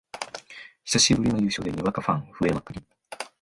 久しぶりの優勝でにわかファン増えまくり